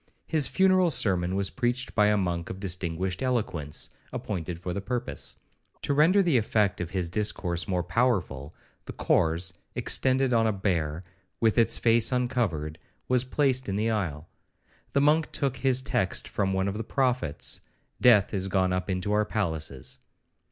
His funeral sermon was preached by a monk of distinguished eloquence, appointed for the purpose. To render the effect of his discourse more powerful, the corse, extended on a bier, with its face uncovered, was placed in the aisle. The monk took his text from one of the prophets,—'Death is gone up into our palaces.'